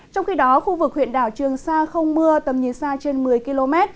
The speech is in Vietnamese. trong khi đó khu vực huyện đảo trường sa không mưa tầm nhìn xa trên một mươi km